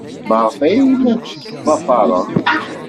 Maɣef ay la aɣ-tettḍafaremt?